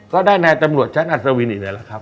ก็ได้ในจำรวจชั้นอัศวินอีกหน่อยแล้วครับ